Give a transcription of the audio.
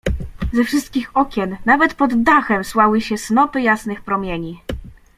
"Ze wszystkich okien, nawet pod dachem, słały się snopy jasnych promieni."